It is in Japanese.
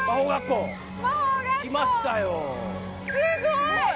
すごい！